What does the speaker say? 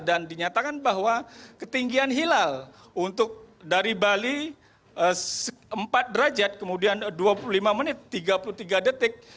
dan dinyatakan bahwa ketinggian hilal untuk dari bali empat derajat kemudian dua puluh lima menit tiga puluh tiga detik